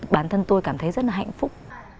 bản thân tôi cảm thấy rất là hạnh phúc